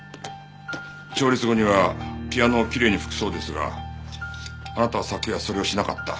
調律後にはピアノをきれいに拭くそうですがあなたは昨夜それをしなかった。